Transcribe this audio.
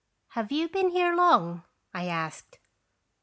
"Have you been here long?" I asked.